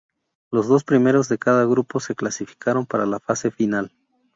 Los dos primeros de cada grupo se clasificaron para la fase final.